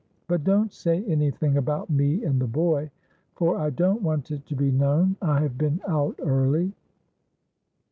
But don't say any thing about me and the boy, for I don't want it to be known I have been out early."